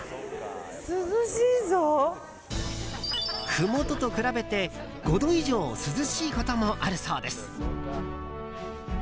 ふもとと比べて、５度以上涼しいこともあるそうです。